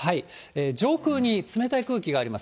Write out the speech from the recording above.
上空に冷たい空気があります。